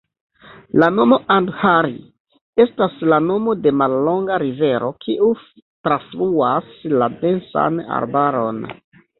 La nomo "Andhari" estas la nomo de mallonga rivero kiu trafluas la densan arbaron.